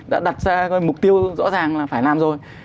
đã đặt ra mục tiêu rõ ràng là phải làm rồi